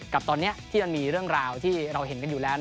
กับตอนนี้ที่มันมีเรื่องราวที่เราเห็นกันอยู่แล้ว